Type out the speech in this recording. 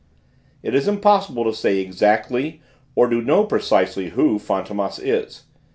It is impossible to say exactly or to know precisely who Fantômas is.